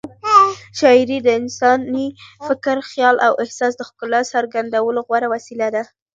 شاعري د انساني فکر، خیال او احساس د ښکلا څرګندولو غوره وسیله ده.